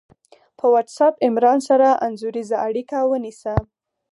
په وټس آپ عمران سره انځوریزه اړیکه ونیسه